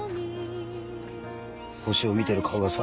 星を見てる顔がさ。